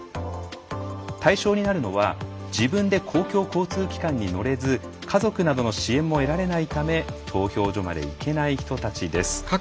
対象になるのは自分で公共交通機関に乗れず家族などの支援も得られないため投票所まで行けない人たちです。